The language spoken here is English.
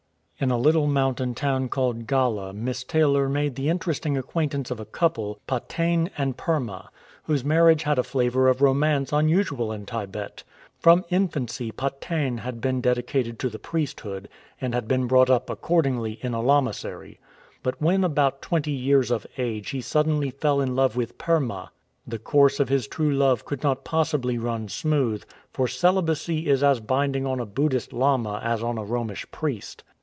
In a little mountain town called Gala Miss Taylor made the interesting acquaintance of a couple, Pa tegn and Per ma, whose marriage had a flavour of romance un usual in Tibet. From infancy Pa tegn had been dedi cated to the priesthood, and had been brought up accordingly in a lamasery. But when about twenty years of age he suddenly fell in love with Per ma. The course of his true love could not possibly run smooth, for celibacy is as binding on a Buddhist lama as on a Romish priest.